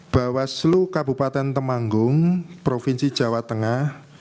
bawah seluruh kabupaten temanggung provinsi jawa tengah